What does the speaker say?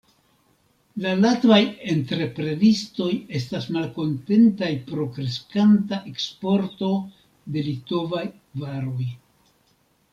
La latvaj entreprenistoj estas malkontentaj pro kreskanta eksporto de litovaj varoj.